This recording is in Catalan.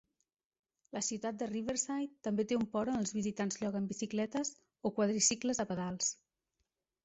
La ciutat de Riverside també té un port on els visitants lloguen bicicletes o quadricicles a pedals.